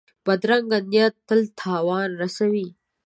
بدرنګه نیت تل تاوان رسوي